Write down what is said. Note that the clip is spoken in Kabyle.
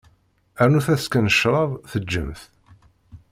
Rnut-as kan ccrab, teǧǧem-t.